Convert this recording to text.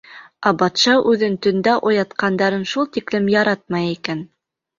Ә батша үҙен төндә уятҡандарын шул тиклем яратмай икән.